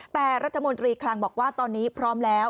แต่รัฐมนตรีคลังบอกว่าตอนนี้พร้อมแล้ว